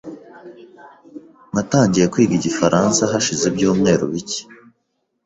Natangiye kwiga igifaransa hashize ibyumweru bike .